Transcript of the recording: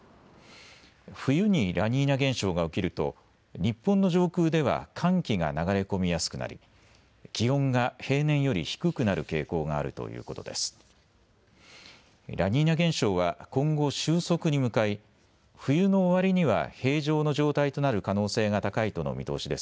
冬にラニーニャ現象が起きると日本の上空では寒気が流れ込みやすくなり気温が平年より低くなる傾向があるということです。